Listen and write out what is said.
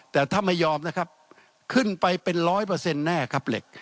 แต่ถ้าไม่ยอมนะครับขึ้นไปเป็น๑๐๐แน่ครับเหล็ก